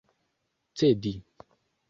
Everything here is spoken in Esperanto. cedi